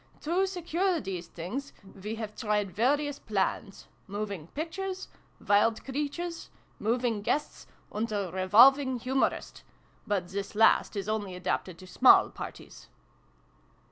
To secure these things we have tried various plans Moving Pictures, Wild Creatures, Moving Guests, and a Revolving Humorist. But this last is only adapted to small parties."